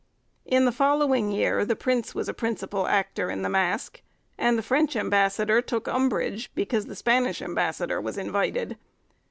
In the following year the prince was a principal actor in the mask, and the French ambassador took umbrage, because the Spanish ambassador was invited.